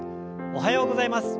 おはようございます。